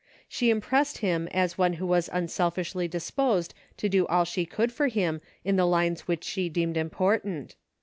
She impressed him as one who was unselfishly disposed to do all she could for him in the lines which she deemed important.